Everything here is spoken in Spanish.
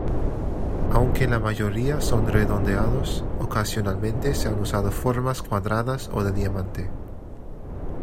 Aunque la mayoría son redondeados, ocasionalmente se han usado formas cuadradas o de diamante.